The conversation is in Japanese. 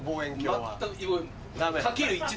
全く。